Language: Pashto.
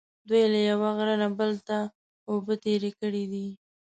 دوی له یوه غره نه بل ته اوبه تېرې کړې دي.